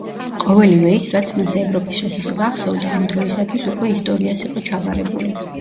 ყოველივე ის, რაც მას ევროპის შესახებ ახსოვდა, ამ დროისათვის უკვე ისტორიას იყო ჩაბარებული.